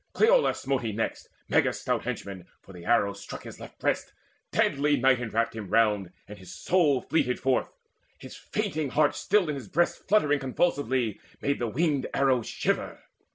Cleolaus smote he next, Meges' stout henchman; for the arrow struck His left breast: deadly night enwrapped him round, And his soul fleeted forth: his fainting heart Still in his breast fluttering convulsively Made the winged arrow shiver.